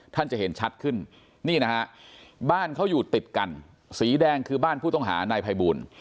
ท่านจะเห็นชัดขึ้นนี่นะฮะบ้านเขาอยู่ติดกันสีแดงคือบ้านผู้ต้องหานายภัยบูล